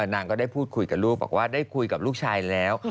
นางก็ได้พูดคุยกับลูกบอกว่าได้คุยกับลูกชายแล้ว